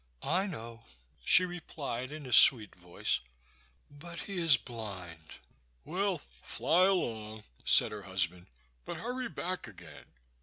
"I know," she replied, in a sweet voice; "but he is blind." "Well, fly along," said her husband; "but hurry back again."